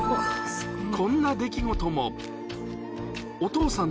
こんな出来事も。